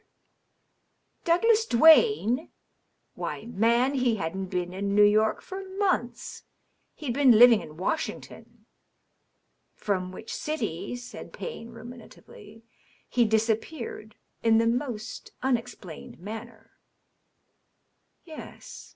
" Douglas Duane ! Why, man, he hadn't been in New York for months. He'd been living in Washington.*' " From which city," said Payne, ruminatively, " he disappeared in the most unexplained manner." " Yes.